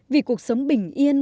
vì cuộc sống bình yên